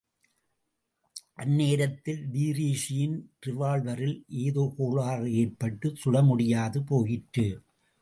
அந்நேரத்தில் டிரீஸியின் ரிவால்வரில் ஏதோகோளாறு எற்பட்டுச் சுடமுடியாது போயிற்று.